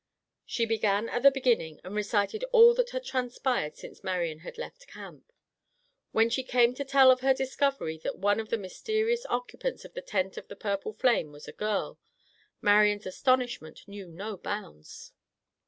She began at the beginning and recited all that had transpired since Marian had left camp. When she came to tell of her discovery that one of the mysterious occupants of the tent of the purple flame was a girl, Marian's astonishment knew no bounds.